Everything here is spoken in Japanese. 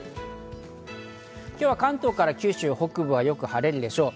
今日は関東から九州北部はよく晴れるでしょう。